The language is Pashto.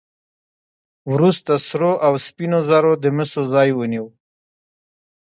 وروسته سرو او سپینو زرو د مسو ځای ونیو.